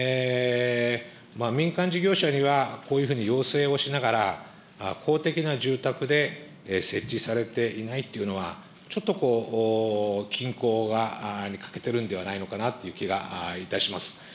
民間事業者にはこういうふうに要請をしながら、公的な住宅で設置されていないというのは、ちょっとこう、均衡に欠けているんではないかなという気がいたします。